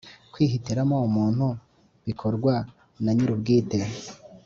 kwihitiramo umuntu bikorwa nanyirubwite.